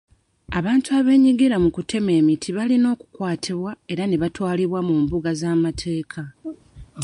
Abantu abeenyigira mu kutema emiti balina okukwatibwa era batwalibwe mu mbuga z'amateeka.